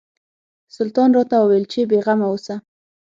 سلطان راته وویل چې بېغمه اوسه.